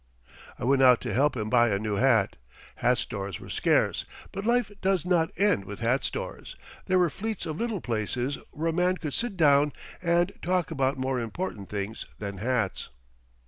I went out to help him buy a new hat. Hat stores were scarce, but life does not end with hat stores; there were fleets of little places where a man could sit down and talk about more important things than hats.